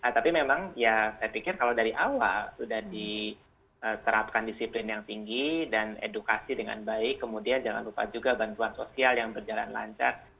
tapi memang ya saya pikir kalau dari awal sudah diterapkan disiplin yang tinggi dan edukasi dengan baik kemudian jangan lupa juga bantuan sosial yang berjalan lancar